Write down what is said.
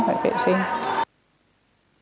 phải vệ sinh